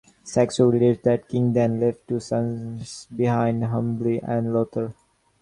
Saxo relates that King Dan left two sons behind, Humbli and Lother.